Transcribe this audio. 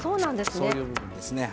そういう部分ですね。